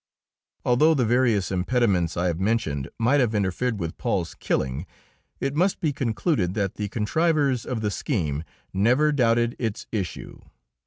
Although the various impediments I have mentioned might have interfered with Paul's killing, it must be concluded that the contrivers of the scheme never doubted its issue.